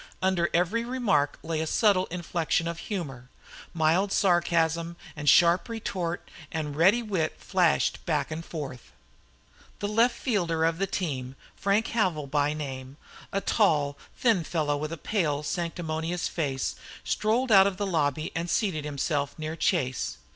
Under every remark lay a subtle inflection of humor. Mild sarcasm and sharp retort and ready wit flashed back and forth. The left fielder of the team, Frank Havil by name, a tall, thin fellow with a pale, sanctimonious face, strolled out of the hotel lobby and seated himself near Chase.